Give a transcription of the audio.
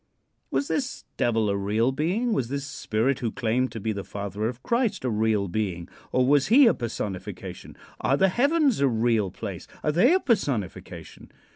Was this Devil a real being? Was this Spirit who claimed to be the father of Christ a real being, or was he a personification? Are the heavens a real place? Are they a personification?